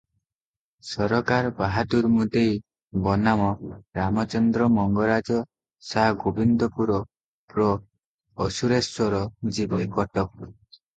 ସରକାର ବାହାଦୂର ମୁଦେଇ ବନାମ ରାମଚନ୍ଦ୍ର ମଙ୍ଗରାଜ ସା ଗୋବିନ୍ଦପୁର ପ୍ର; ଅସୁରେଶ୍ୱର, ଜିଲେ କଟକ ।